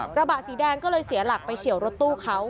ระบะสีแดงก็เลยเสียหลักไปเฉียวรถตู้เขา